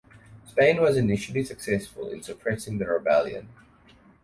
Spain was initially successful in suppressing the rebellion.